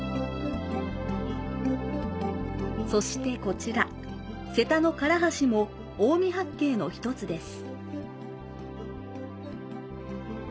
そして、こちら瀬田の唐橋も近江八景の１つです。